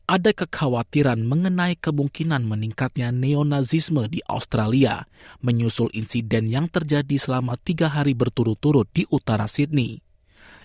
ada kekhawatiran mengenai kemungkinan meningkatnya neonazisme di australia menyusul insiden yang terjadi selama tiga hari berturut turut di utara sydney